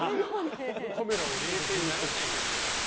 冷静にならないんですよ。